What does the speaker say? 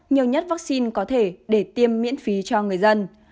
nhiều nhất vaccine có thể để tiêm miễn phí cho người dân